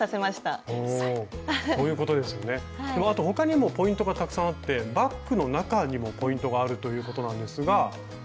他にもポイントがたくさんあってバッグの中にもポイントがあるということなんですが。